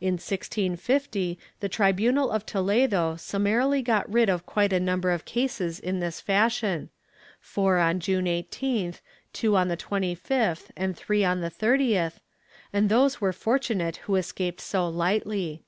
In 1650 the tribunal of Toledo summarily got rid of quite a number of cases in this fashion — four on June 18th, two on the 25th and three on the 30th, and those were fortunate who escaped so Ughtly.